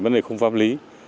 vấn đề không pháp lý